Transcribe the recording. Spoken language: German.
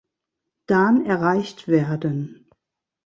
Dan erreicht werden.